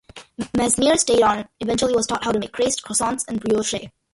Mesnier stayed on and eventually was taught how to make cakes, croissants, and brioche.